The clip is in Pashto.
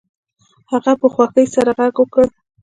هغه په خوښۍ سره غږ وکړ